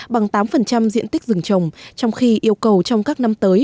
bằng tám diện tích rừng trồng trong khi yêu cầu trong các năm tới